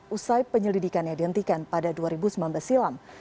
usai penyelidikannya dihentikan pada dua ribu sembilan belas silam